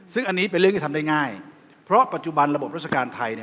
ซึ่งอันนี้เป็นเรื่องที่ทำได้ง่ายเพราะปัจจุบันระบบราชการไทย